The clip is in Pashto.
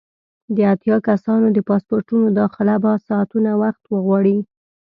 د اتیا کسانو د پاسپورټونو داخله به ساعتونه وخت وغواړي.